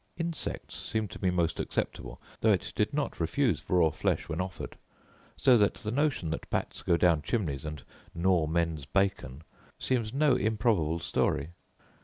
Insects seem to be most acceptable, though it did not refuse raw flesh when offered: so that the notion that bats go down chimneys and gnaw men's bacon, seems no improbable story.